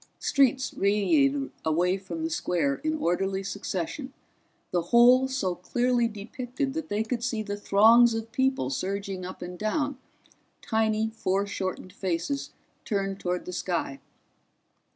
Streets radiated away from the square in orderly succession, the whole so clearly depicted that they could see the throngs of people surging up and down, tiny foreshortened faces turned toward the sky.